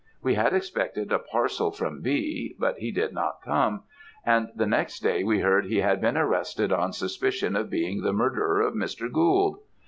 We had expected a parcel from B , but he did not come; and the next day we heard he had been arrested on suspicion of being the murderer of Mr. Gould.